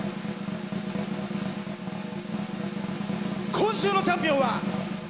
今週のチャンピオンは。